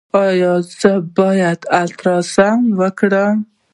ایا زه باید الټراساونډ وکړم؟